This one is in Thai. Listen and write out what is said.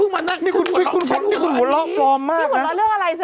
ไม่ใช่ปลอมพูดมาน่ะคุณเหรอเรื่องอะไรสรุป